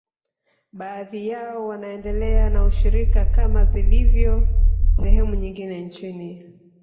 Baadhi yao wanaendelea na ushirikina kama zilivyo sehemu nyingine nchini